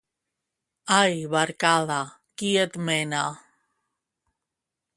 Ai, barcada, qui et mena!